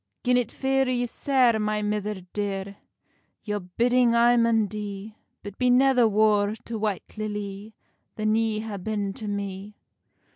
"Gin it fear you sair, my mither dear, Your bidding I maun dee; But be never war to White Lilly Than ye ha been to me."